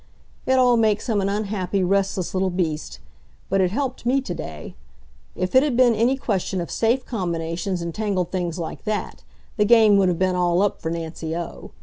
It all makes him an unhappy, restless little beast; but it helped me to day. If it'd been any question of safe combinations and tangled things like that, the game would have been all up for Nancy O.